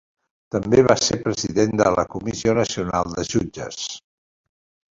També va ser president de la Comissió Nacional de Jutges.